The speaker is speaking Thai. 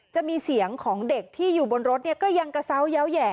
จะมีเสียงของเด็กที่อยู่บนรถก็ยังกระเศร้ายาวแห่